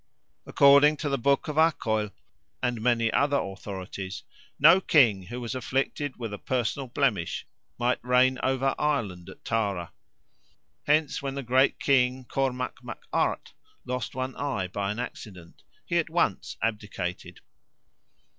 According to the Book of Acaill and many other authorities no king who was afflicted with a personal blemish might reign over Ireland at Tara. Hence, when the great King Cormac Mac Art lost one eye by an accident, he at once abdicated.